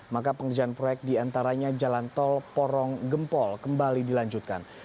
maka pengerjaan proyek diantaranya jalan tol porong gempol kembali dilanjutkan